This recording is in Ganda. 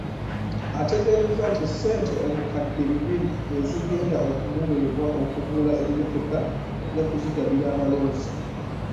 Ategeeza nti ssente obukadde bibiri ezigenda okumuweebwa okugula emmotoka ajja kuzigabira abalonzi.